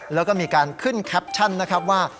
แล้วก็มีการขึ้นแคปชั่นนะครับว่า